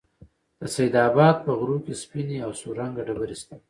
د سيدآباد په غرو كې سپينې او سور رنگه ډبرې شته